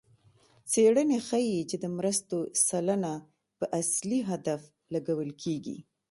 څېړنې ښيي چې د مرستو سلنه په اصلي هدف لګول کېږي.